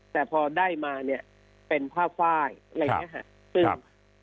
แต่พอได้มาเนี่ยเป็นผ้าไฟล์อะไรอย่างนี้ค่ะ